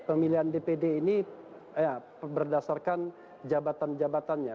pemilihan dpd ini berdasarkan jabatan jabatannya